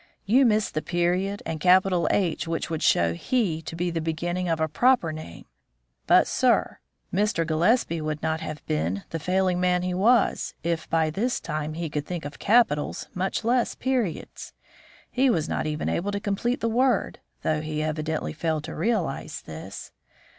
"You miss the period and capital H which would show 'he' to be the beginning of a proper name. But, sir, Mr. Gillespie would not have been the failing man he was, if by this time he could think of capitals, much less periods. He was not even able to complete the word, though he evidently failed to realise this.